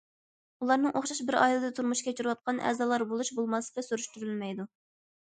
ئۇلارنىڭ ئوخشاش بىر ئائىلىدە تۇرمۇش كەچۈرۈۋاتقان ئەزالار بولۇش- بولماسلىقى سۈرۈشتۈرۈلمەيدۇ.